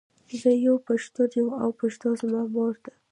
زۀ یو پښتون یم او پښتو زما مور ده.